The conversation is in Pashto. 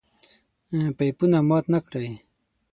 پيپونه مات نکړئ!